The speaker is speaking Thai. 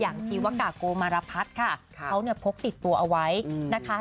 อย่างที่วะกะโกมาระพัดค่ะเขาเนี่ยพกติดตัวเอาไว้นะคะ